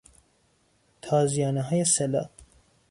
تازیانههای سه لا